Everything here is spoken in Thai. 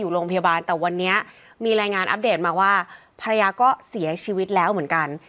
โรงพยาบาลแต่วันนี้มีรายงานอัปเดตมาว่าภรรยาก็เสียชีวิตแล้วเหมือนกัน